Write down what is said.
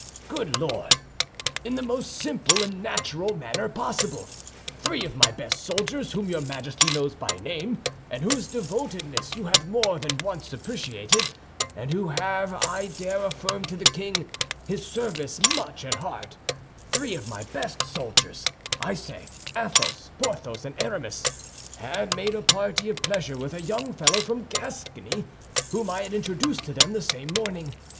"Good Lord! In the most simple and natural manner possible. Three of my best soldiers, whom your Majesty knows by name, and whose devotedness you have more than once appreciated, and who have, I dare affirm to the king, his service much at heart—three of my best soldiers, I say, Athos, Porthos, and Aramis, had made a party of pleasure with a young fellow from Gascony, whom I had introduced to them the same morning.